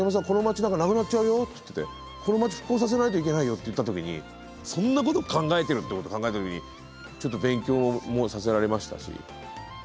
この町なんかなくなっちゃうよ」って言ってて「この町復興させないといけないよ」って言った時にそんなこと考えてるってことを考えた時にちょっと勉強もさせられましたし。